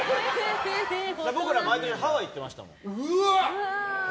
僕らはハワイ行ってましたもん。